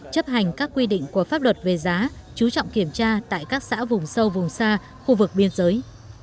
chấp hành các quy định của pháp luật về giá chú trọng kiểm tra tại các xã vùng sâu vùng xa khu vực biên giới